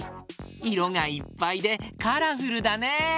いろがいっぱいでカラフルだね！